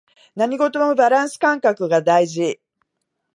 何事もバランス感覚が大事